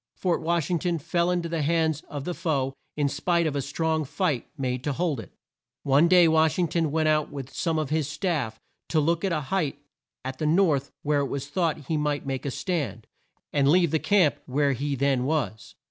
Fort Wash ing ton fell in to the hands of the foe in spite of a strong fight made to hold it. One day Wash ing ton went out with some of his staff to look at a height at the north where it was thought he might make a stand, and leave the camp where he then was.